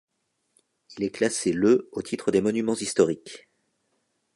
Il est classé le au titre des monuments historiques.